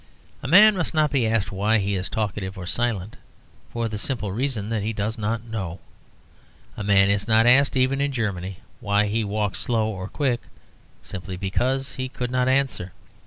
A man must not be asked why he is talkative or silent, for the simple reason that he does not know. A man is not asked (even in Germany) why he walks slow or quick, simply because he could not answer.